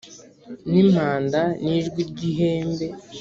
ni impanda n’ijwi ry’ihembe